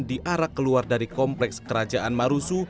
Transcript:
di arah keluar dari kompleks kerajaan marusu